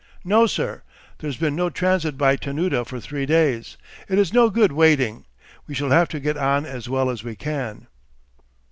"No, sir! There's been no transit by Tanooda for three days. It is no good waiting. We shall have to get on as well as we can."